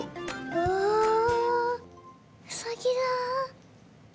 わあウサギだ！